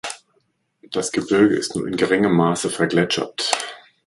Das Gebirge ist nur in geringerem Maße vergletschert.